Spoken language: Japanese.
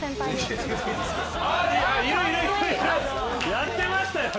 やってましたよね。